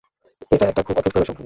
এটা একটা খুব অদ্ভুত প্রেমের সম্পর্ক।